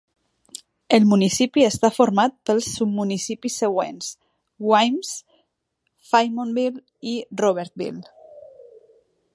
El municipi està format pels submunicipis següents: Waimes, Faymonville i Robertville.